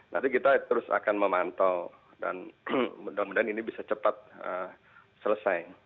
nanti kita terus akan memantau dan mudah mudahan ini bisa cepat selesai